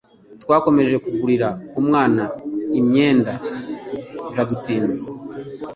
twakomeje kugurira umwana imyenda biradutinza